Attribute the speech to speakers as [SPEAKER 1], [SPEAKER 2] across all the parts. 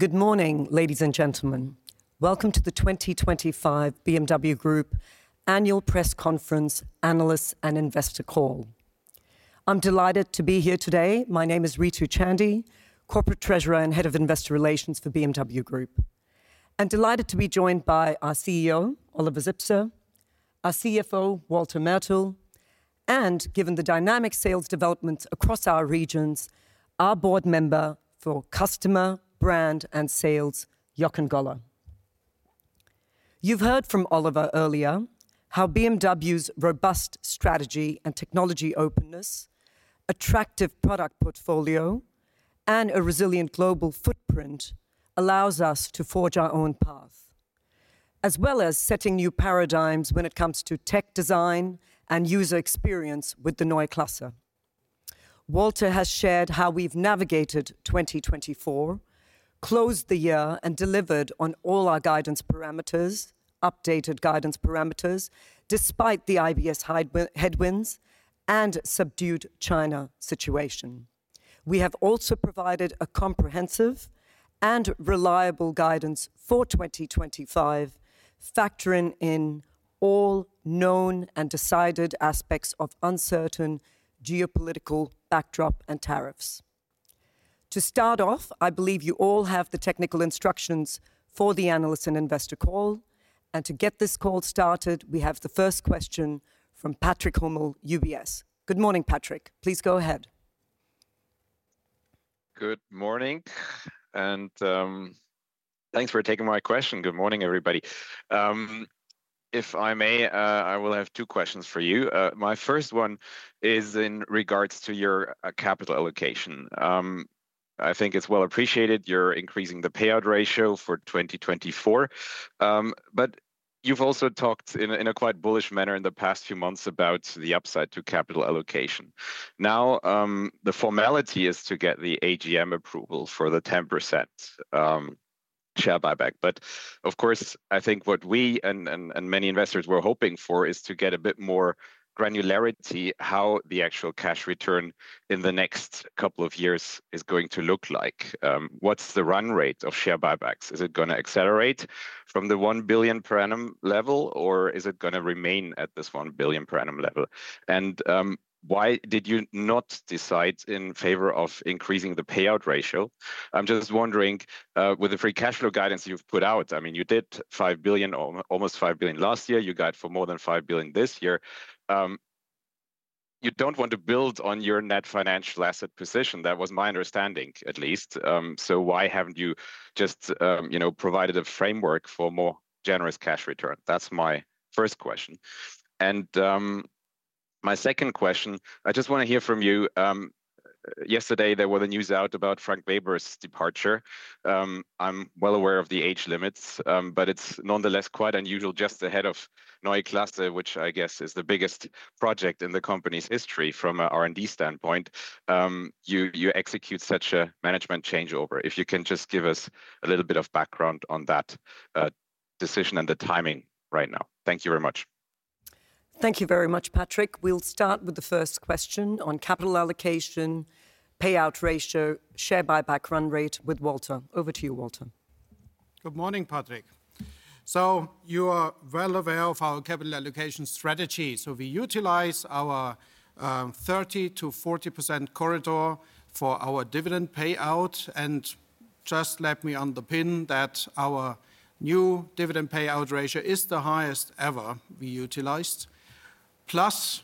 [SPEAKER 1] Good morning, ladies and gentlemen. Welcome to the 2025 BMW Group Annual Press Conference Analysts and Investor Call. I'm delighted to be here today. My name is Ritu Chandy, Corporate Treasurer and Head of Investor Relations for BMW Group. I'm delighted to be joined by our CEO, Oliver Zipse, our CFO, Walter Mertl, and, given the dynamic sales developments across our regions, our board member for Customer, Brand and Sales, Jochen Goller. You've heard from Oliver earlier how BMW's robust strategy and technology openness, attractive product portfolio, and a resilient global footprint allow us to forge our own path, as well as setting new paradigms when it comes to tech design and user experience with the Neue Klasse. Walter has shared how we've navigated 2024, closed the year, and delivered on all our guidance parameters, updated guidance parameters, despite the IBS headwinds and subdued China situation. We have also provided a comprehensive and reliable guidance for 2025, factoring in all known and decided aspects of uncertain geopolitical backdrop and tariffs. To start off, I believe you all have the technical instructions for the Analysts and Investor Call. To get this call started, we have the first question from Patrick Hummel, UBS. Good morning, Patrick. Please go ahead.
[SPEAKER 2] Good morning. Thanks for taking my question. Good morning, everybody. If I may, I will have two questions for you. My first one is in regards to your capital allocation. I think it's well appreciated you're increasing the payout ratio for 2024. You've also talked in a quite bullish manner in the past few months about the upside to capital allocation. The formality is to get the AGM approval for the 10% share buyback. Of course, I think what we and many investors were hoping for is to get a bit more granularity on how the actual cash return in the next couple of years is going to look like. What's the run rate of share buybacks? Is it going to accelerate from the $1 billion per annum level, or is it going to remain at this $1 billion per annum level? Why did you not decide in favor of increasing the payout ratio? I'm just wondering, with the free cash flow guidance you've put out, I mean, you did 5 billion, almost 5 billion last year. You guide for more than 5 billion this year. You don't want to build on your net financial asset position. That was my understanding, at least. Why haven't you just provided a framework for more generous cash return? That's my first question. My second question, I just want to hear from you. Yesterday, there were the news out about Frank Weber's departure. I'm well aware of the age limits, but it's nonetheless quite unusual just ahead of Neue Klasse, which I guess is the biggest project in the company's history from an R&D standpoint. You execute such a management changeover. If you can just give us a little bit of background on that decision and the timing right now. Thank you very much.
[SPEAKER 1] Thank you very much, Patrick. We'll start with the first question on capital allocation, payout ratio, share buyback run rate with Walter. Over to you, Walter.
[SPEAKER 3] Good morning, Patrick. You are well aware of our capital allocation strategy. We utilize our 30%-40% corridor for our dividend payout. Let me underpin that our new dividend payout ratio is the highest ever we utilized, plus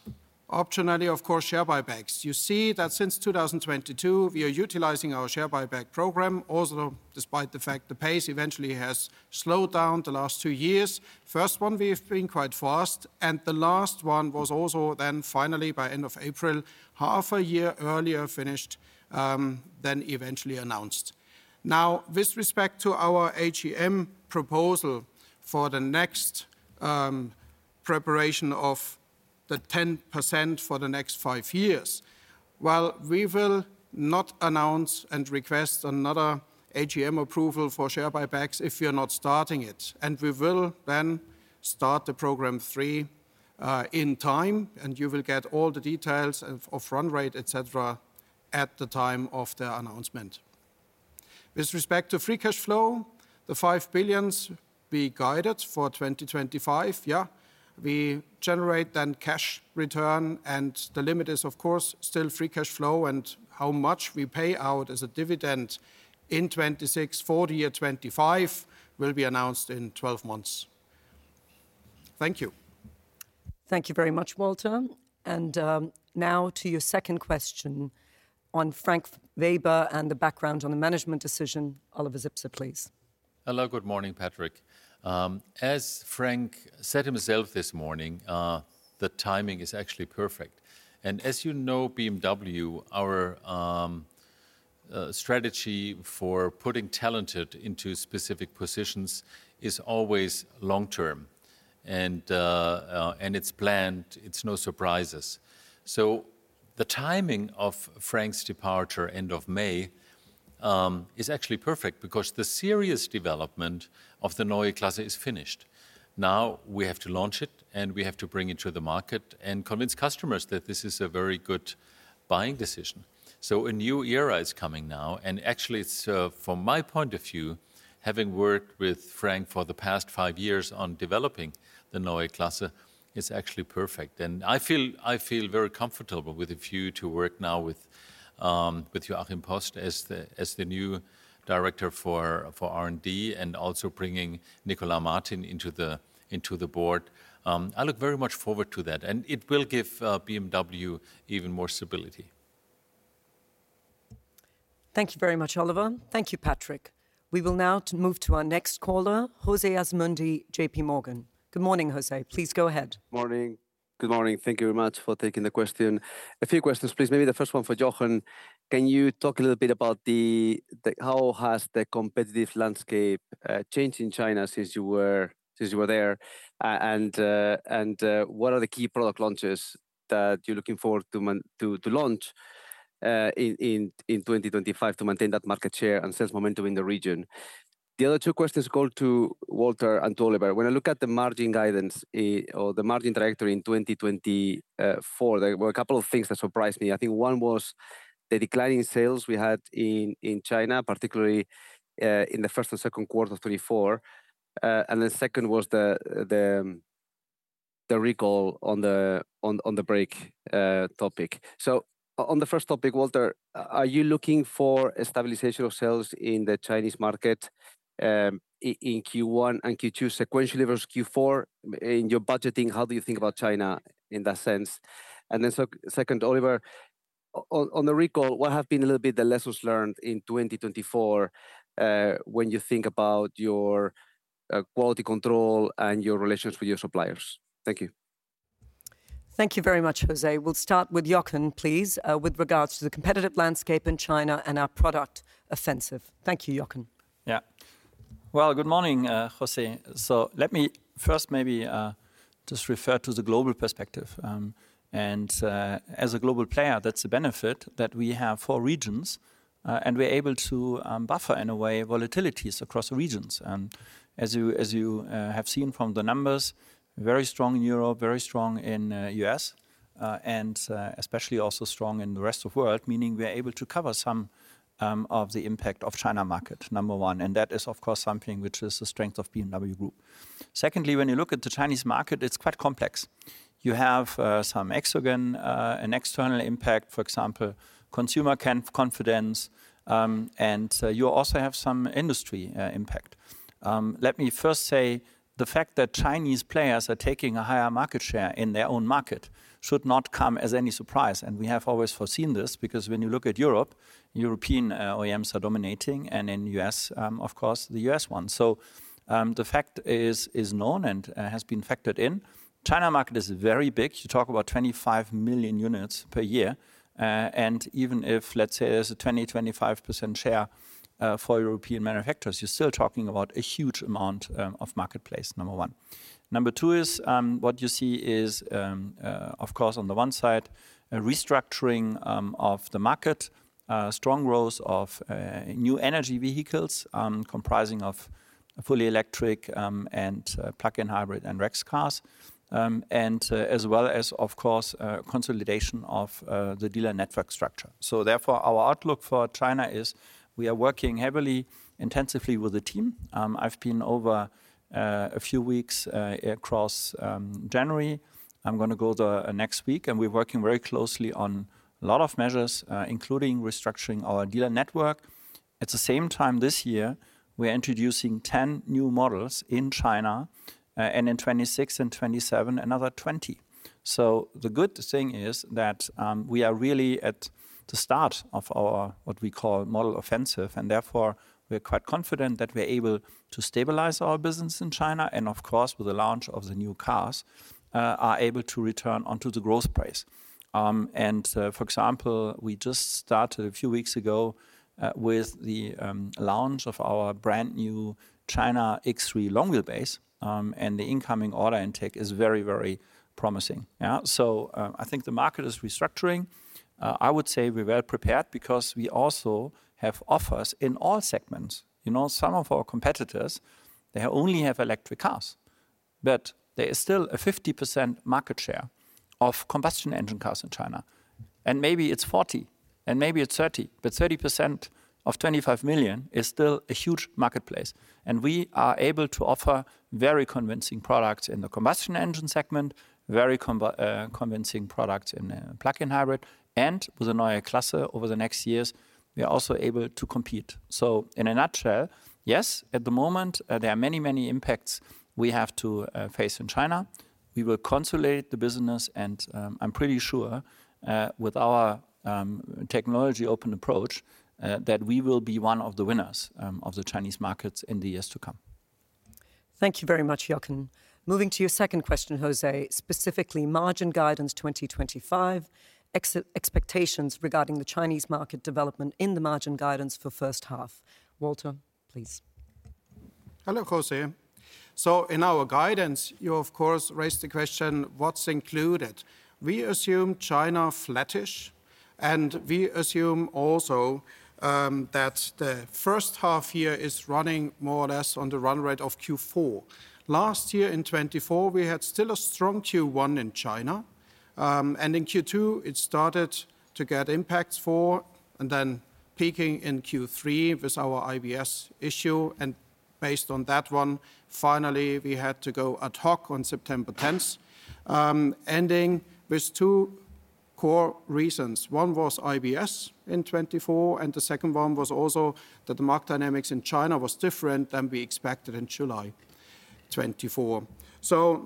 [SPEAKER 3] optionally, of course, share buybacks. You see that since 2022, we are utilizing our share buyback program, also despite the fact the pace eventually has slowed down the last two years. First one, we have been quite fast. The last one was also then finally by end of April, half a year earlier finished than eventually announced. With respect to our AGM proposal for the next preparation of the 10% for the next five years, we will not announce and request another AGM approval for share buybacks if we are not starting it. We will then start the program three in time, and you will get all the details of run rate, et cetera, at the time of the announcement. With respect to free cash flow, the 5 billion we guided for 2025, yeah, we generate then cash return, and the limit is, of course, still free cash flow, and how much we pay out as a dividend in 2026 for the year 2025 will be announced in 12 months. Thank you.
[SPEAKER 1] Thank you very much, Walter. To your second question on Frank Weber and the background on the management decision. Oliver Zipse, please.
[SPEAKER 4] Hello, good morning, Patrick. As Frank said himself this morning, the timing is actually perfect. As you know, BMW, our strategy for putting talented into specific positions is always long term. It is planned. It is no surprises. The timing of Frank's departure end of May is actually perfect because the serious development of the Neue Klasse is finished. Now we have to launch it, and we have to bring it to the market and convince customers that this is a very good buying decision. A new era is coming now. Actually, from my point of view, having worked with Frank for the past five years on developing the Neue Klasse, it is actually perfect. I feel very comfortable with the view to work now with Joachim Post as the new Director for R&D and also bringing Nicolai Martin into the board. I look very much forward to that. It will give BMW even more stability.
[SPEAKER 1] Thank you very much, Oliver. Thank you, Patrick. We will now move to our next caller, José Asumendi, J.P. Morgan. Good morning, José. Please go ahead.
[SPEAKER 5] Good morning. Good morning. Thank you very much for taking the question. A few questions, please. Maybe the first one for Jochen. Can you talk a little bit about how has the competitive landscape changed in China since you were there? What are the key product launches that you're looking forward to launch in 2025 to maintain that market share and sales momentum in the region? The other two questions go to Walter and to Oliver. When I look at the margin guidance or the margin trajectory in 2024, there were a couple of things that surprised me. I think one was the declining sales we had in China, particularly in the first and second quarter of 2024. The second was the recall on the brake topic. On the first topic, Walter, are you looking for stabilization of sales in the Chinese market in Q1 and Q2 sequentially versus Q4? In your budgeting, how do you think about China in that sense? Second, Oliver, on the recall, what have been a little bit the lessons learned in 2024 when you think about your quality control and your relations with your suppliers? Thank you.
[SPEAKER 1] Thank you very much, José. We'll start with Jochen, please, with regards to the competitive landscape in China and our product offensive. Thank you, Jochen.
[SPEAKER 6] Yeah. Good morning, José. Let me first maybe just refer to the global perspective. As a global player, that's the benefit that we have for regions. We're able to buffer, in a way, volatilities across regions. As you have seen from the numbers, very strong in Europe, very strong in the US, and especially also strong in the rest of the world, meaning we are able to cover some of the impact of the China market, number one. That is, of course, something which is the strength of BMW Group. Secondly, when you look at the Chinese market, it's quite complex. You have some external impact, for example, consumer confidence. You also have some industry impact. Let me first say the fact that Chinese players are taking a higher market share in their own market should not come as any surprise. We have always foreseen this because when you look at Europe, European OEMs are dominating, and in the U.S., of course, the U.S. one. The fact is known and has been factored in. The China market is very big. You talk about 25 million units per year. Even if, let's say, there's a 20%-25% share for European manufacturers, you're still talking about a huge amount of marketplace, number one. Number two is what you see is, of course, on the one side, a restructuring of the market, strong growth of new energy vehicles comprising of fully electric and plug-in hybrid and REx cars, as well as, of course, consolidation of the dealer network structure. Therefore, our outlook for China is we are working heavily, intensively with the team. I've been over a few weeks across January. I'm going to go there next week. We are working very closely on a lot of measures, including restructuring our dealer network. At the same time, this year, we are introducing 10 new models in China, and in 2026 and 2027, another 20. The good thing is that we are really at the start of what we call our model offensive. Therefore, we are quite confident that we are able to stabilize our business in China. Of course, with the launch of the new cars, we are able to return onto the growth price. For example, we just started a few weeks ago with the launch of our brand new China X3 Long Wheelbase. The incoming order intake is very, very promising. I think the market is restructuring. I would say we are well prepared because we also have offers in all segments. You know, some of our competitors, they only have electric cars. There is still a 50% market share of combustion engine cars in China. Maybe it is 40%, and maybe it is 30%. But 30% of 25 million is still a huge marketplace. We are able to offer very convincing products in the combustion engine segment, very convincing products in plug-in hybrid. With the Neue Klasse over the next years, we are also able to compete. In a nutshell, yes, at the moment, there are many, many impacts we have to face in China. We will consolidate the business. I am pretty sure with our technology open approach that we will be one of the winners of the Chinese markets in the years to come.
[SPEAKER 1] Thank you very much, Jochen. Moving to your second question, José, specifically margin guidance 2025, expectations regarding the Chinese market development in the margin guidance for first half. Walter, please.
[SPEAKER 3] Hello, José. In our guidance, you, of course, raised the question, what's included? We assume China flattish. We assume also that the first half year is running more or less on the run rate of Q4. Last year in 2024, we had still a strong Q1 in China. In Q2, it started to get impacts for, and then peaking in Q3 with our IBS issue. Based on that one, finally, we had to go ad hoc on September 10th, ending with two core reasons. One was IBS in 2024. The second one was also that the market dynamics in China was different than we expected in July 2024.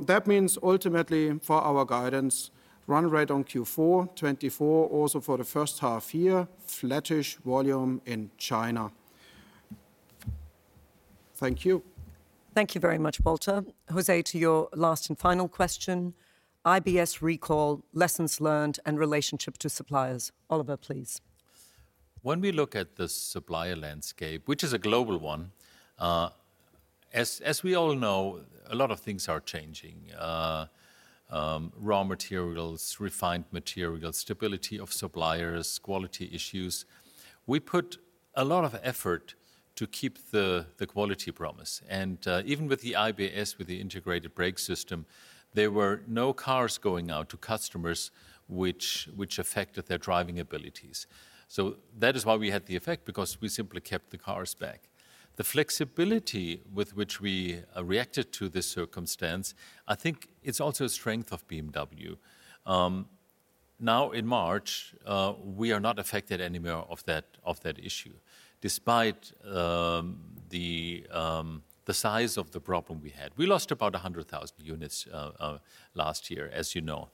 [SPEAKER 3] That means ultimately for our guidance, run rate on Q4 2024, also for the first half year, flattish volume in China. Thank you.
[SPEAKER 1] Thank you very much, Walter. José, to your last and final question, IBS recall, lessons learned, and relationship to suppliers. Oliver, please.
[SPEAKER 4] When we look at the supplier landscape, which is a global one, as we all know, a lot of things are changing: raw materials, refined materials, stability of suppliers, quality issues. We put a lot of effort to keep the quality promise. Even with the IBS, with the integrated brake system, there were no cars going out to customers, which affected their driving abilities. That is why we had the effect, because we simply kept the cars back. The flexibility with which we reacted to this circumstance, I think it's also a strength of BMW. Now in March, we are not affected anymore of that issue, despite the size of the problem we had. We lost about 100,000 units last year, as you know.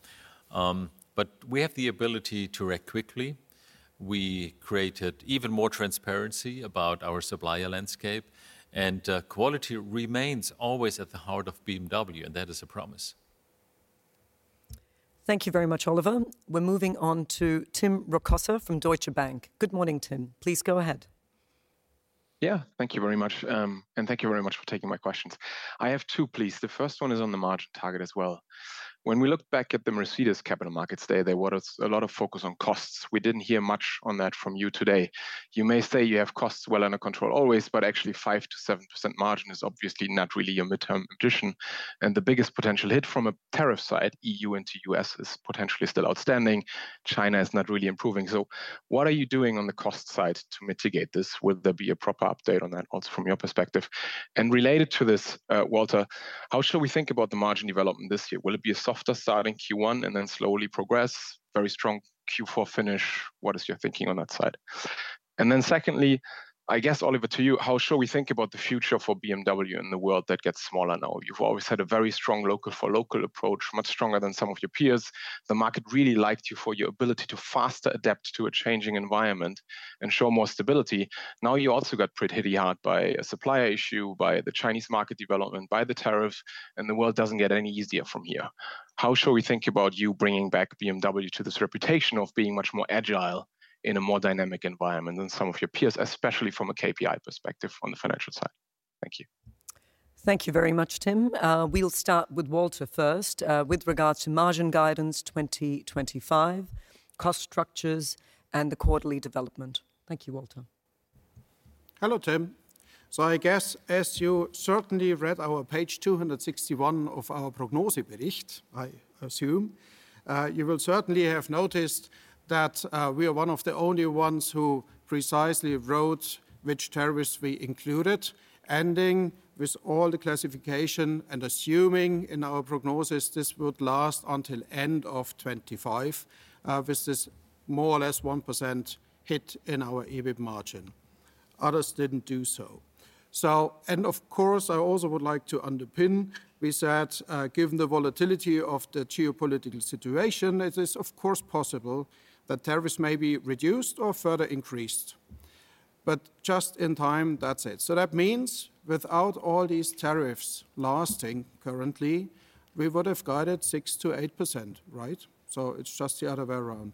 [SPEAKER 4] We have the ability to react quickly. We created even more transparency about our supplier landscape. Quality remains always at the heart of BMW. That is a promise.
[SPEAKER 1] Thank you very much, Oliver. We're moving on to Tim Rokossa from Deutsche Bank. Good morning, Tim. Please go ahead.
[SPEAKER 7] Yeah, thank you very much. Thank you very much for taking my questions. I have two, please. The first one is on the margin target as well. When we look back at the Mercedes capital markets today, there was a lot of focus on costs. We did not hear much on that from you today. You may say you have costs well under control always, but actually 5%-7% margin is obviously not really your midterm ambition. The biggest potential hit from a tariff side, EU into US, is potentially still outstanding. China is not really improving. What are you doing on the cost side to mitigate this? Will there be a proper update on that also from your perspective? Related to this, Walter, how should we think about the margin development this year? Will it be a softer start in Q1 and then slowly progress, very strong Q4 finish? What is your thinking on that side? Secondly, I guess, Oliver, to you, how should we think about the future for BMW in the world that gets smaller now? You have always had a very strong local for local approach, much stronger than some of your peers. The market really liked you for your ability to faster adapt to a changing environment and show more stability. Now you also got pretty hit hard by a supplier issue, by the Chinese market development, by the tariffs. The world does not get any easier from here. How should we think about you bringing back BMW to this reputation of being much more agile in a more dynamic environment than some of your peers, especially from a KPI perspective on the financial side? Thank you.
[SPEAKER 1] Thank you very much, Tim. We'll start with Walter first with regards to margin guidance 2025, cost structures, and the quarterly development. Thank you, Walter.
[SPEAKER 3] Hello, Tim. I guess, as you certainly read our page 261 of our Prognosebericht, I assume you will certainly have noticed that we are one of the only ones who precisely wrote which tariffs we included, ending with all the classification and assuming in our prognosis this would last until end of 2025 with this more or less 1% hit in our EBIT margin. Others did not do so. I also would like to underpin, we said, given the volatility of the geopolitical situation, it is possible that tariffs may be reduced or further increased. Just in time, that is it. That means without all these tariffs lasting currently, we would have guided 6%-8%, right? It is just the other way around.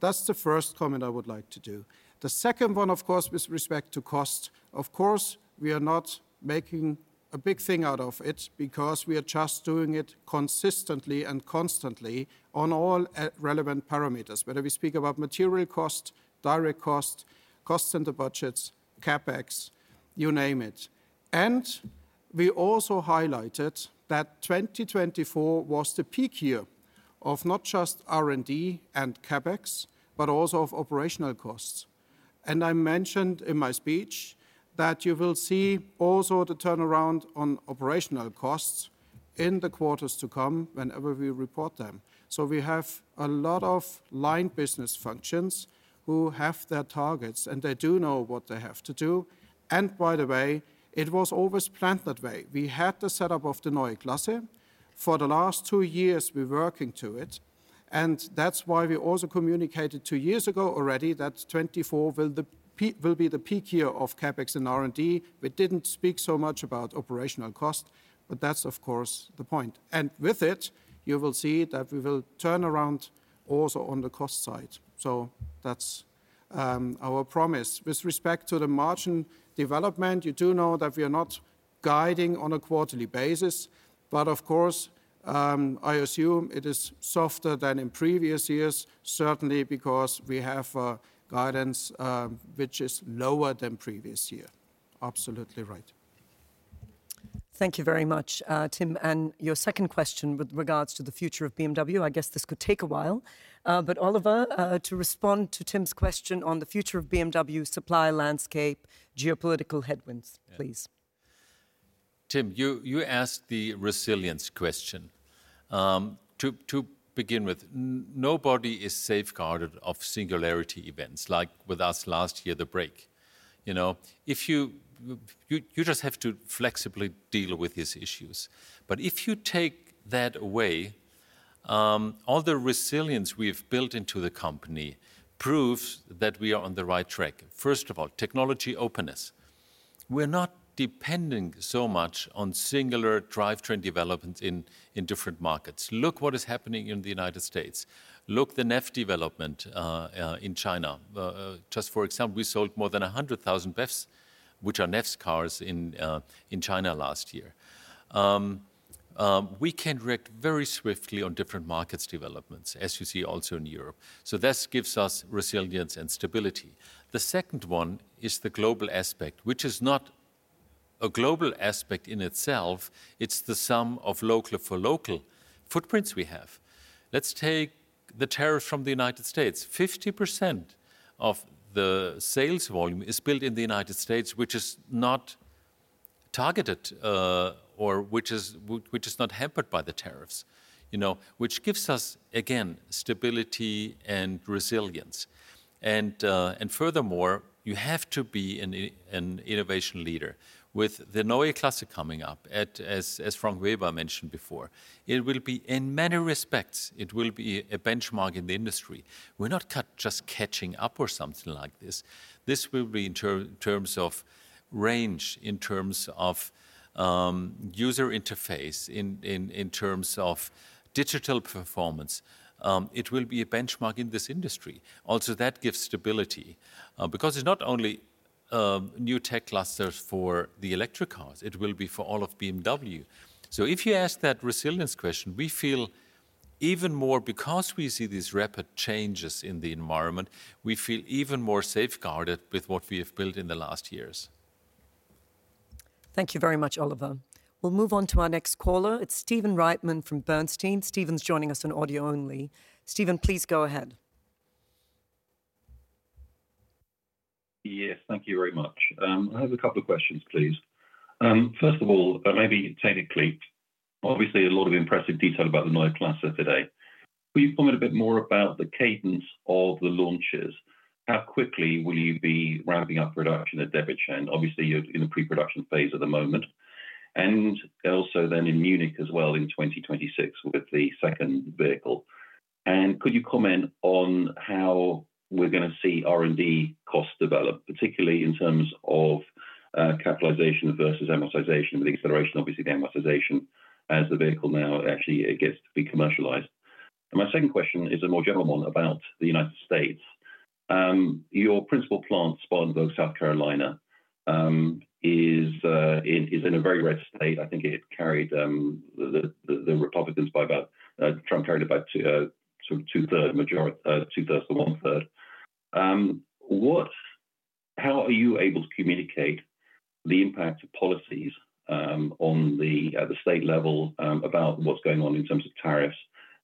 [SPEAKER 3] That is the first comment I would like to do. The second one, of course, with respect to cost, of course, we are not making a big thing out of it because we are just doing it consistently and constantly on all relevant parameters, whether we speak about material cost, direct cost, cost center budgets, CapEx, you name it. We also highlighted that 2024 was the peak year of not just R&D and CapEx, but also of operational costs. I mentioned in my speech that you will see also the turnaround on operational costs in the quarters to come whenever we report them. We have a lot of line business functions who have their targets, and they do know what they have to do. By the way, it was always planned that way. We had the setup of the Neue Klasse. For the last two years, we're working to it. That is why we also communicated two years ago already that 2024 will be the peak year of CapEx and R&D. We did not speak so much about operational cost, but that is, of course, the point. With it, you will see that we will turn around also on the cost side. That is our promise. With respect to the margin development, you do know that we are not guiding on a quarterly basis. Of course, I assume it is softer than in previous years, certainly because we have a guidance which is lower than previous year. Absolutely right.
[SPEAKER 1] Thank you very much, Tim. Your second question with regards to the future of BMW, I guess this could take a while. Oliver, to respond to Tim's question on the future of BMW supplier landscape, geopolitical headwinds, please.
[SPEAKER 4] Tim, you asked the resilience question. To begin with, nobody is safeguarded of singularity events like with us last year, the break. You know, you just have to flexibly deal with these issues. If you take that away, all the resilience we've built into the company proves that we are on the right track. First of all, technology openness. We're not depending so much on singular drivetrain developments in different markets. Look what is happening in the United States. Look at the NEV development in China. Just for example, we sold more than 100,000 BEVs, which are NEV cars in China last year. We can react very swiftly on different markets developments, as you see also in Europe. This gives us resilience and stability. The second one is the global aspect, which is not a global aspect in itself. It's the sum of local for local footprints we have. Let's take the tariffs from the United States. 50% of the sales volume is built in the United States, which is not targeted or which is not hampered by the tariffs, which gives us, again, stability and resilience. Furthermore, you have to be an innovation leader. With the Neue Klasse coming up, as Frank Weber mentioned before, it will be in many respects. It will be a benchmark in the industry. We're not just catching up or something like this. This will be in terms of range, in terms of user interface, in terms of digital performance. It will be a benchmark in this industry. Also, that gives stability because it's not only new tech clusters for the electric cars. It will be for all of BMW. If you ask that resilience question, we feel even more because we see these rapid changes in the environment, we feel even more safeguarded with what we have built in the last years.
[SPEAKER 1] Thank you very much, Oliver. We'll move on to our next caller. It's Stephen Reitman from Bernstein. Stephen's joining us on audio only. Stephen, please go ahead.
[SPEAKER 8] Yes, thank you very much. I have a couple of questions, please. First of all, maybe take a clip. Obviously, a lot of impressive detail about the Neue Klasse today. Could you comment a bit more about the cadence of the launches? How quickly will you be ramping up production at Debrecen? Obviously, you're in the pre-production phase at the moment. Also, in Munich as well in 2026 with the second vehicle. Could you comment on how we're going to see R&D costs develop, particularly in terms of capitalization versus amortization with acceleration, obviously the amortization as the vehicle now actually gets to be commercialized? My second question is a more general one about the United States. Your principal plant, Spartanburg, South Carolina, is in a very red state. I think it carried the Republicans by about Trump carried about sort of two-thirds, two-thirds to one-third. How are you able to communicate the impact of policies on the state level about what's going on in terms of tariffs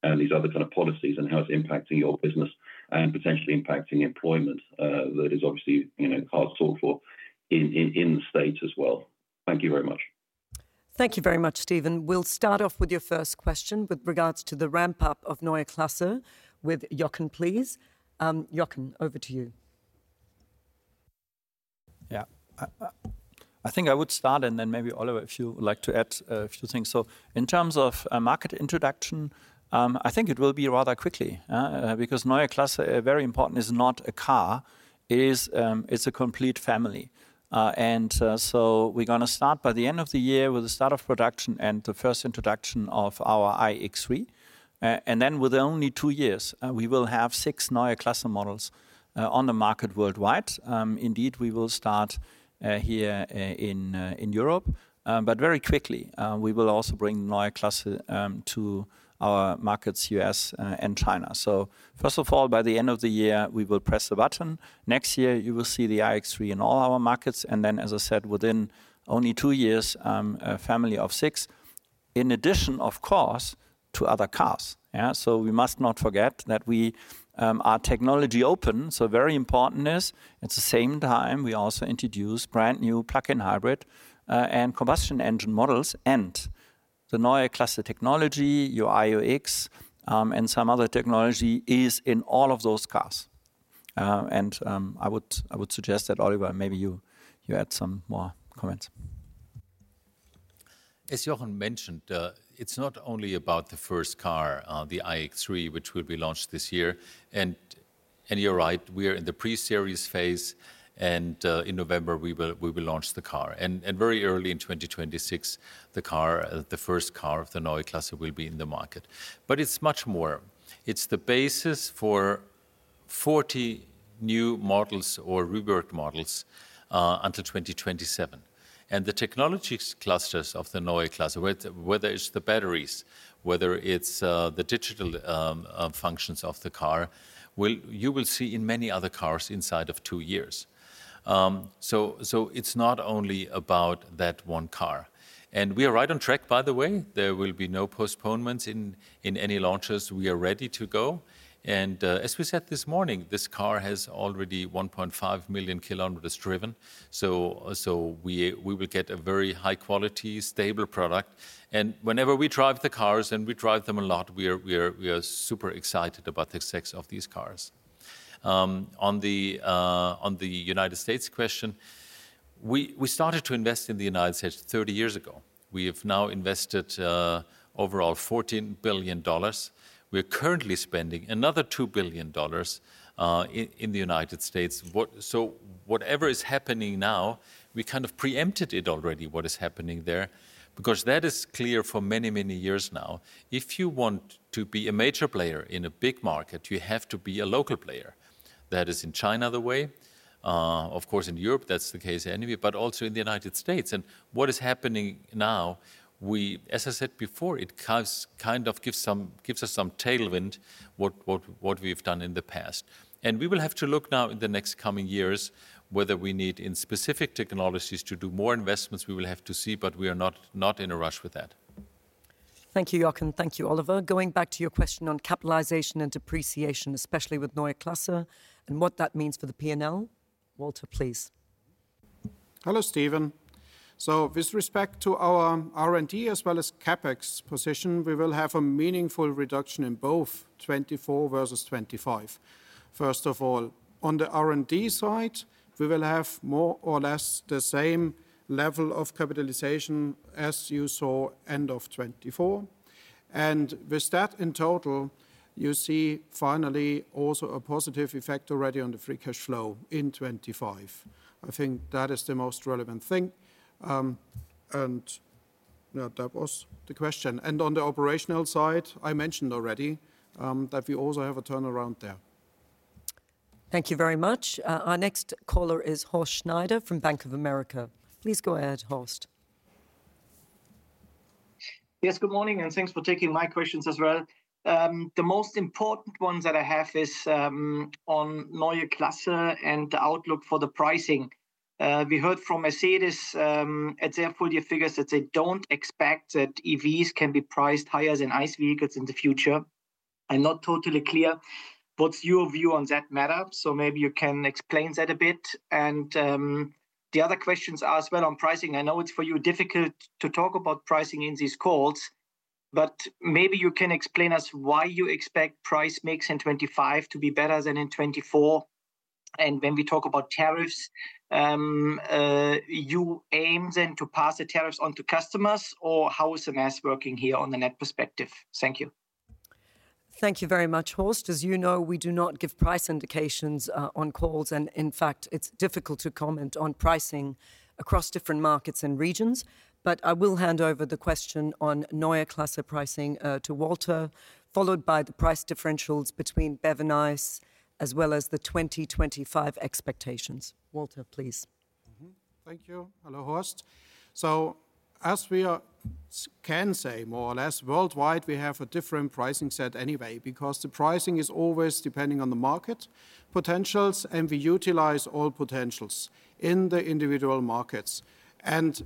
[SPEAKER 8] and these other kind of policies and how it's impacting your business and potentially impacting employment? That is obviously hard to talk for in the state as well. Thank you very much.
[SPEAKER 1] Thank you very much, Stephen. We'll start off with your first question with regards to the ramp-up of Neue Klasse with Joachim, please. Joachim, over to you.
[SPEAKER 9] Yeah, I think I would start and then maybe Oliver, if you would like to add a few things. In terms of market introduction, I think it will be rather quickly because Neue Klasse, very important, is not a car. It is a complete family. We are going to start by the end of the year with the start of production and the first introduction of our iX3. With only two years, we will have six Neue Klasse models on the market worldwide. Indeed, we will start here in Europe. Very quickly, we will also bring Neue Klasse to our markets, US and China. First of all, by the end of the year, we will press the button. Next year, you will see the iX3 in all our markets. As I said, within only two years, a family of six, in addition, of course, to other cars. We must not forget that we are technology open. Very important is at the same time, we also introduce brand new plug-in hybrid and combustion engine models. The Neue Klasse technology, your iX and some other technology is in all of those cars. I would suggest that Oliver, maybe you add some more comments.
[SPEAKER 4] As Joachim mentioned, it's not only about the first car, the iX3, which will be launched this year. You're right, we are in the pre-series phase. In November, we will launch the car. Very early in 2026, the car, the first car of the Neue Klasse, will be in the market. It's much more. It's the basis for 40 new models or derivative models until 2027. The technology clusters of the Neue Klasse, whether it's the batteries or the digital functions of the car, you will see in many other cars inside of two years. It's not only about that one car. We are right on track, by the way. There will be no postponements in any launches. We are ready to go. As we said this morning, this car has already 1.5 million kilometers driven. We will get a very high-quality, stable product. Whenever we drive the cars and we drive them a lot, we are super excited about the sex of these cars. On the United States question, we started to invest in the United States 30 years ago. We have now invested overall $14 billion. We are currently spending another $2 billion in the United States. Whatever is happening now, we kind of preempted it already, what is happening there, because that is clear for many, many years now. If you want to be a major player in a big market, you have to be a local player. That is in China the way. Of course, in Europe, that's the case anyway, but also in the United States. What is happening now, as I said before, it kind of gives us some tailwind what we've done in the past. We will have to look now in the next coming years whether we need in specific technologies to do more investments. We will have to see, but we are not in a rush with that.
[SPEAKER 1] Thank you, Joachim. Thank you, Oliver. Going back to your question on capitalization and depreciation, especially with Neue Klasse and what that means for the P&L. Walter, please.
[SPEAKER 3] Hello, Stephen. With respect to our R&D as well as CapEx position, we will have a meaningful reduction in both 2024 versus 2025. First of all, on the R&D side, we will have more or less the same level of capitalization as you saw end of 2024. With that in total, you see finally also a positive effect already on the free cash flow in 2025. I think that is the most relevant thing. That was the question. On the operational side, I mentioned already that we also have a turnaround there.
[SPEAKER 1] Thank you very much. Our next caller is Horst Schneider from Bank of America. Please go ahead, Horst.
[SPEAKER 10] Yes, good morning and thanks for taking my questions as well. The most important ones that I have is on Neue Klasse and the outlook for the pricing. We heard from Mercedes at their full year figures that they do not expect that EVs can be priced higher than ICE vehicles in the future. I am not totally clear. What is your view on that matter? Maybe you can explain that a bit. The other questions are as well on pricing. I know it is for you difficult to talk about pricing in these calls, but maybe you can explain to us why you expect price mix in 2025 to be better than in 2024. When we talk about tariffs, do you aim then to pass the tariffs on to customers or how is the math working here on the net perspective? Thank you.
[SPEAKER 1] Thank you very much, Horst. As you know, we do not give price indications on calls. In fact, it's difficult to comment on pricing across different markets and regions. I will hand over the question on Neue Klasse pricing to Walter, followed by the price differentials between BEV and ICE as well as the 2025 expectations. Walter, please.
[SPEAKER 3] Thank you. Hello, Horst. As we can say more or less, worldwide, we have a different pricing set anyway because the pricing is always depending on the market potentials and we utilize all potentials in the individual markets.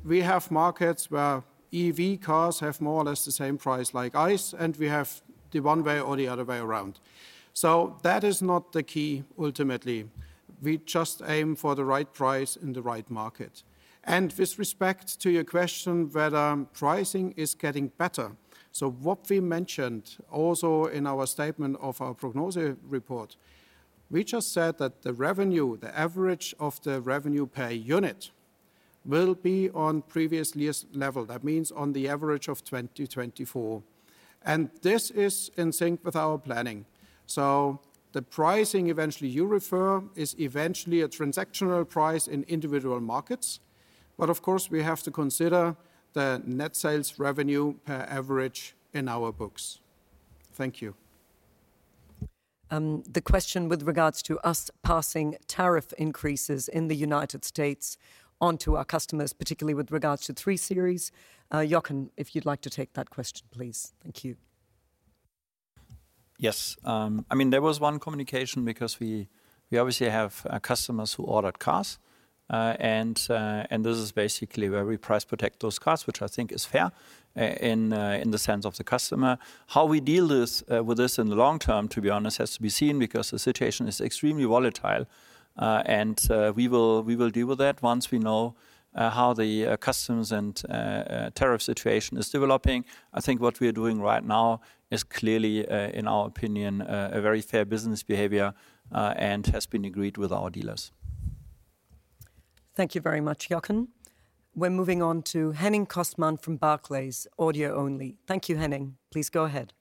[SPEAKER 3] We have markets where EV cars have more or less the same price like ICE and we have the one way or the other way around. That is not the key ultimately. We just aim for the right price in the right market. With respect to your question whether pricing is getting better, what we mentioned also in our statement of our prognosis report, we just said that the revenue, the average of the revenue per unit will be on previous year's level. That means on the average of 2024. This is in sync with our planning. The pricing eventually you refer is eventually a transactional price in individual markets. However, we have to consider the net sales revenue per average in our books. Thank you.
[SPEAKER 1] The question with regards to us passing tariff increases in the United States onto our customers, particularly with regards to 3 Series. Joachim, if you'd like to take that question, please. Thank you.
[SPEAKER 9] Yes. I mean, there was one communication because we obviously have customers who ordered cars. This is basically where we price protect those cars, which I think is fair in the sense of the customer. How we deal with this in the long term, to be honest, has to be seen because the situation is extremely volatile. We will deal with that once we know how the customs and tariff situation is developing. I think what we are doing right now is clearly, in our opinion, a very fair business behavior and has been agreed with our dealers.
[SPEAKER 1] Thank you very much, Joachim. We're moving on to Henning Cosman from Barclays, audio only. Thank you, Henning. Please go ahead.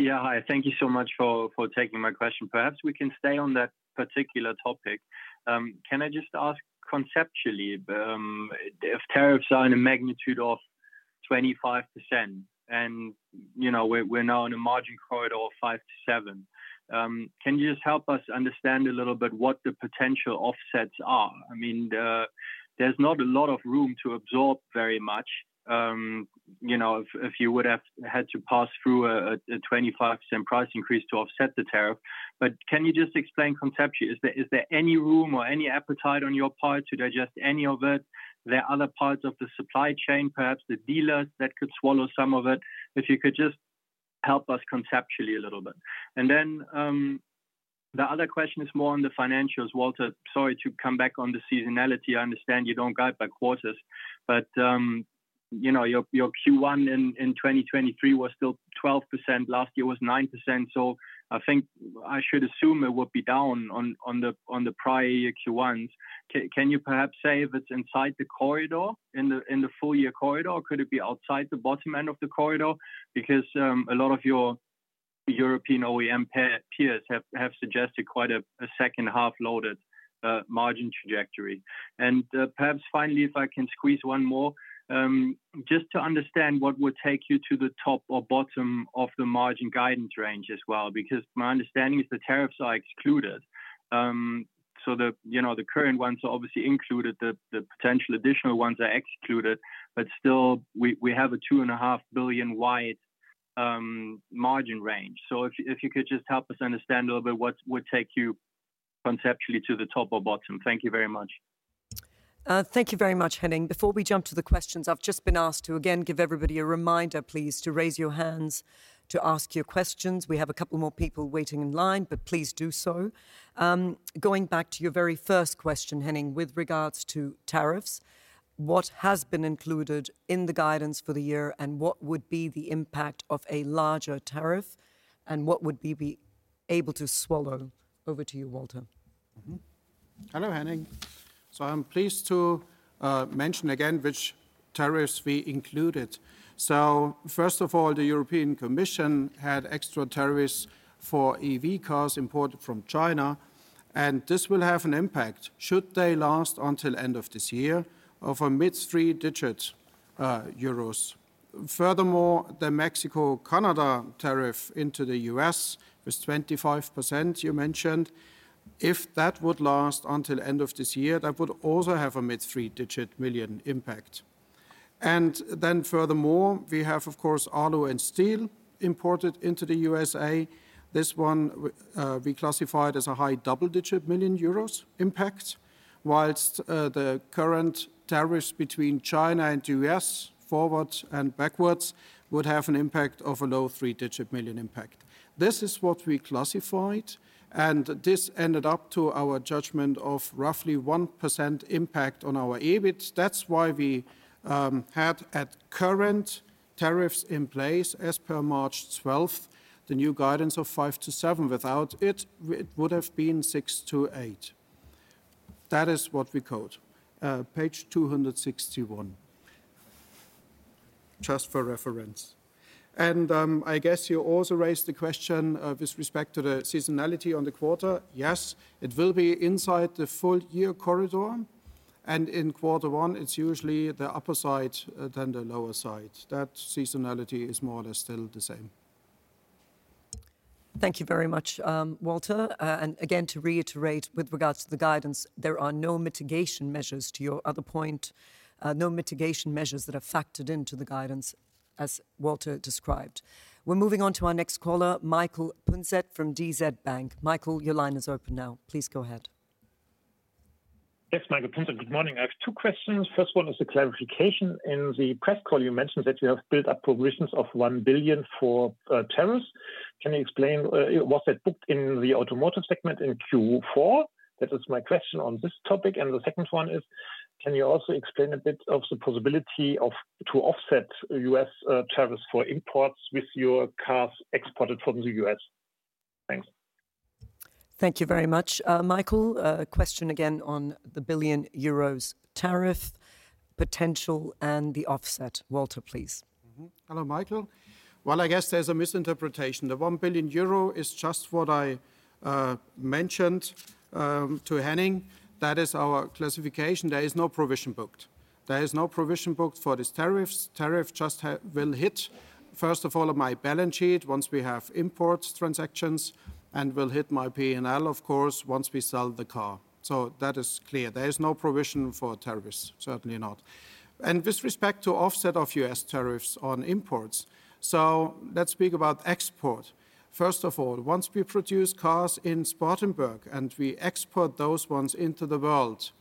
[SPEAKER 11] Yeah, hi. Thank you so much for taking my question. Perhaps we can stay on that particular topic. Can I just ask conceptually if tariffs are in a magnitude of 25% and we're now in a margin corridor of 5-7%, can you just help us understand a little bit what the potential offsets are? I mean, there's not a lot of room to absorb very much if you would have had to pass through a 25% price increase to offset the tariff. Can you just explain conceptually, is there any room or any appetite on your part to digest any of it? There are other parts of the supply chain, perhaps the dealers that could swallow some of it, if you could just help us conceptually a little bit. The other question is more on the financials, Walter, sorry to come back on the seasonality. I understand you don't guide by quarters, but your Q1 in 2023 was still 12%. Last year was 9%. I think I should assume it would be down on the prior year Q1s. Can you perhaps say if it's inside the corridor, in the full year corridor, or could it be outside the bottom end of the corridor? A lot of your European OEM peers have suggested quite a second half loaded margin trajectory. Finally, if I can squeeze one more, just to understand what would take you to the top or bottom of the margin guidance range as well, because my understanding is the tariffs are excluded. The current ones are obviously included, the potential additional ones are excluded, but still we have a 2.5 billion wide margin range. If you could just help us understand a little bit what would take you conceptually to the top or bottom. Thank you very much.
[SPEAKER 1] Thank you very much, Henning. Before we jump to the questions, I've just been asked to again give everybody a reminder, please, to raise your hands to ask your questions. We have a couple more people waiting in line, but please do so. Going back to your very first question, Henning, with regards to tariffs, what has been included in the guidance for the year and what would be the impact of a larger tariff and what would we be able to swallow? Over to you, Walter.
[SPEAKER 3] Hello, Henning. I'm pleased to mention again which tariffs we included. First of all, the European Commission had extra tariffs for EV cars imported from China. This will have an impact. Should they last until end of this year of a mid three digit EUR impact. Furthermore, the Mexico-Canada tariff into the US was 25%, you mentioned. If that would last until end of this year, that would also have a mid three digit million EUR impact. Furthermore, we have, of course, alloy and steel imported into the US. This one we classified as a high double digit million EUR impact, whilst the current tariffs between China and US forward and backwards would have an impact of a low three digit million EUR impact. This is what we classified. This ended up to our judgment of roughly 1% impact on our EBIT. That's why we had at current tariffs in place as per March 12th, the new guidance of 5-7. Without it, it would have been 6-8. That is what we code, page 261, just for reference. I guess you also raised the question with respect to the seasonality on the quarter. Yes, it will be inside the full year corridor. In quarter one, it's usually the upper side than the lower side. That seasonality is more or less still the same.
[SPEAKER 1] Thank you very much, Walter. To reiterate with regards to the guidance, there are no mitigation measures to your other point, no mitigation measures that are factored into the guidance as Walter described. We're moving on to our next caller, Michael Punzet from DZ Bank. Michael, your line is open now. Please go ahead.
[SPEAKER 12] Yes, Michael Punzet, good morning. I have two questions. First one is a clarification. In the press call, you mentioned that you have built up provisions of 1 billion for tariffs. Can you explain what's that booked in the automotive segment in Q4? That is my question on this topic. The second one is, can you also explain a bit of the possibility to offset US tariffs for imports with your cars exported from the US? Thanks.
[SPEAKER 1] Thank you very much, Michael. Question again on the billion euros tariff potential and the offset. Walter, please.
[SPEAKER 3] Hello, Michael. I guess there's a misinterpretation. The 1 billion euro is just what I mentioned to Henning. That is our classification. There is no provision booked. There is no provision booked for these tariffs. Tariff just will hit, first of all, on my balance sheet once we have import transactions and will hit my P&L, of course, once we sell the car. That is clear. There is no provision for tariffs, certainly not. With respect to offset of US tariffs on imports, let's speak about export. First of all, once we produce cars in Spartanburg and we export those ones into the world,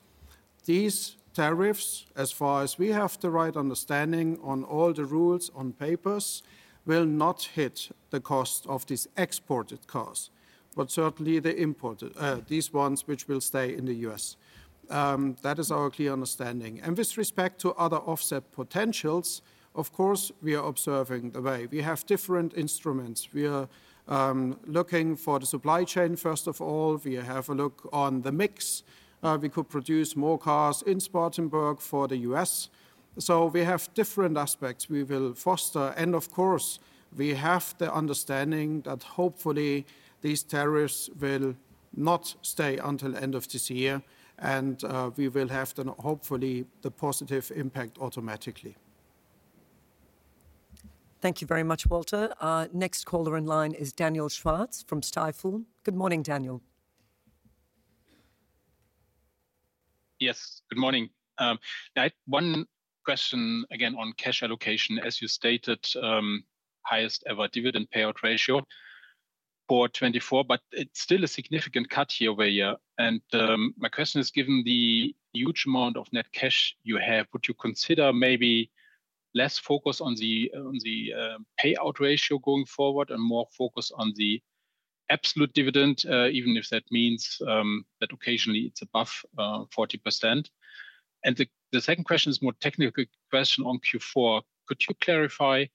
[SPEAKER 3] these tariffs, as far as we have the right understanding on all the rules on papers, will not hit the cost of these exported cars, but certainly the imported, these ones which will stay in the US. That is our clear understanding. With respect to other offset potentials, of course, we are observing the way. We have different instruments. We are looking for the supply chain, first of all. We have a look on the mix. We could produce more cars in Spartanburg for the US. We have different aspects we will foster. Of course, we have the understanding that hopefully these tariffs will not stay until end of this year. We will have then hopefully the positive impact automatically.
[SPEAKER 1] Thank you very much, Walter. Next caller in line is Daniel Schwarz from Stifel. Good morning, Daniel.
[SPEAKER 13] Yes, good morning. One question again on cash allocation. As you stated, highest ever dividend payout ratio for 2024, but it's still a significant cut year over year. My question is, given the huge amount of net cash you have, would you consider maybe less focus on the payout ratio going forward and more focus on the absolute dividend, even if that means that occasionally it's above 40%? The second question is a more technical question on Q4. Could you clarify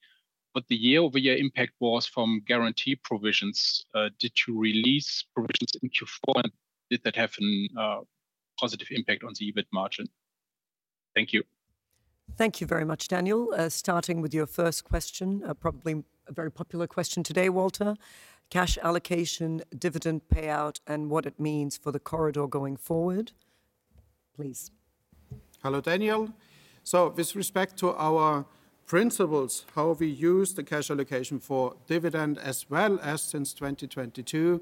[SPEAKER 13] what the year-over-year impact was from guarantee provisions? Did you release provisions in Q4 and did that have a positive impact on the EBIT margin? Thank you.
[SPEAKER 1] Thank you very much, Daniel. Starting with your first question, probably a very popular question today, Walter, cash allocation, dividend payout, and what it means for the corridor going forward, please.
[SPEAKER 3] Hello, Daniel. With respect to our principles, how we use the cash allocation for dividend as well as since 2022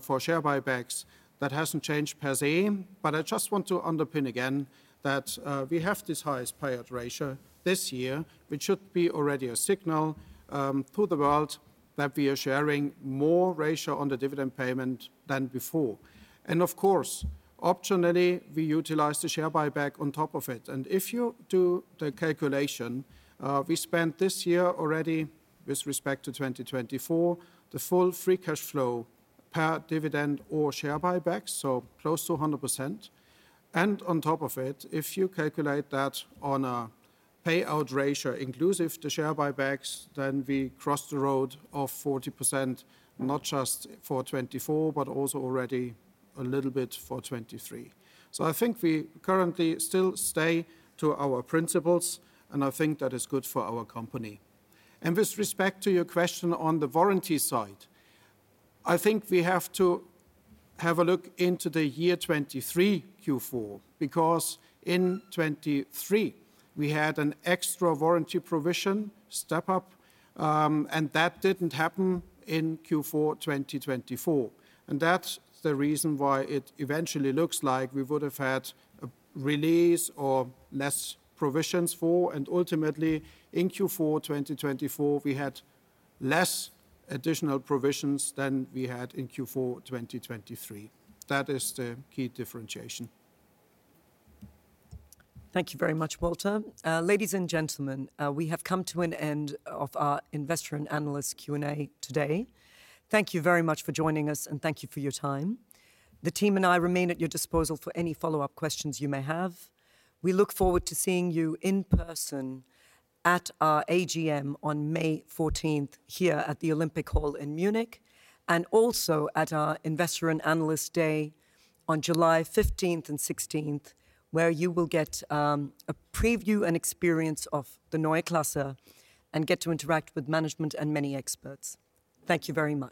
[SPEAKER 3] for share buybacks, that has not changed per se. I just want to underpin again that we have this highest payout ratio this year, which should be already a signal to the world that we are sharing more ratio on the dividend payment than before. Of course, optionally, we utilize the share buyback on top of it. If you do the calculation, we spent this year already with respect to 2024, the full free cash flow per dividend or share buybacks, so close to 100%. On top of it, if you calculate that on a payout ratio inclusive the share buybacks, then we cross the road of 40%, not just for 2024, but also already a little bit for 2023. I think we currently still stay to our principles and I think that is good for our company. With respect to your question on the warranty side, I think we have to have a look into the year 2023 Q4 because in 2023, we had an extra warranty provision step up and that did not happen in Q4 2024. That is the reason why it eventually looks like we would have had a release or less provisions for. Ultimately in Q4 2024, we had less additional provisions than we had in Q4 2023. That is the key differentiation.
[SPEAKER 1] Thank you very much, Walter. Ladies and gentlemen, we have come to an end of our investor and analyst Q&A today. Thank you very much for joining us and thank you for your time. The team and I remain at your disposal for any follow-up questions you may have. We look forward to seeing you in person at our AGM on May 14th here at the Olympic Hall in Munich and also at our Investor and Analyst Day on July 15th and 16th, where you will get a preview and experience of the Neue Klasse and get to interact with management and many experts. Thank you very much.